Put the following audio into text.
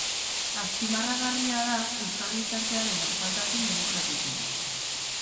Azpimarragarria da euskal gizartearen normaltasun demokratikoa.